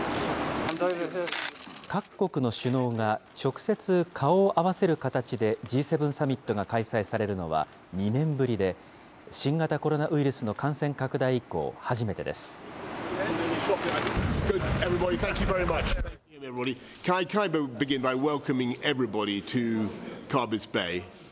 各国の首脳が直接、顔を合わせる形で、Ｇ７サミットが開催されるのは２年ぶりで、新型コロナウイルスの感染拡大以降、初めてです。